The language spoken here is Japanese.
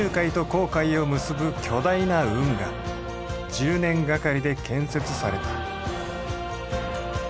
１０年がかりで建設された。